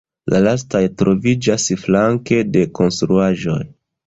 La lastaj troviĝas flanke de konstruaĵoj.